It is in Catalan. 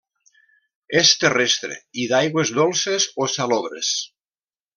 És terrestre i d'aigües dolces o salobres.